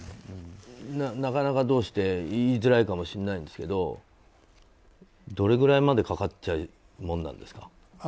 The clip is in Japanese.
なかなか、どうして言いづらいかもしれないですけどどれぐらいまでかかっちゃうものですか？